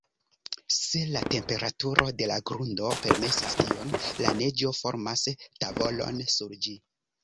Se la temperaturo de la grundo permesas tion, la neĝo formas tavolon sur ĝi.